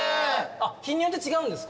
日によって違うんですか？